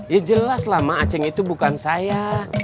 ya jelas lah mak aceh itu bukan saya